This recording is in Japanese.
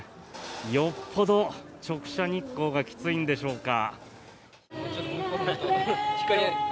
よっぽど直射日光がきついんでしょうか。